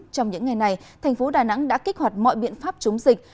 trong những ngày này thành phố đà nẵng đã kích hoạt mọi biện pháp chống dịch